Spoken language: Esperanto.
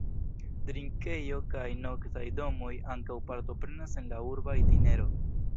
Drinkejo kaj noktaj domoj ankaŭ partoprenas en la urba itinero.